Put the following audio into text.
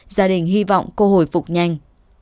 gia đình hy vọng cô hồi phục nhanh